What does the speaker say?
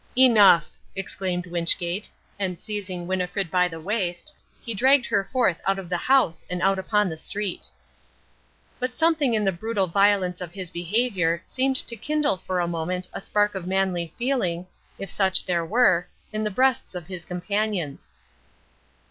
"Enough," exclaimed Wynchgate, and seizing Winnifred by the waist, he dragged her forth out of the house and out upon the street. But something in the brutal violence of his behaviour seemed to kindle for the moment a spark of manly feeling, if such there were, in the breasts of his companions.